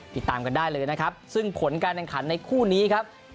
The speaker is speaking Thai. ติดตามกันได้เลยนะครับซึ่งผลการแข่งขันในคู่นี้ครับ